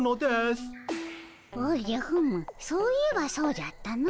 おじゃふむそういえばそうじゃったの。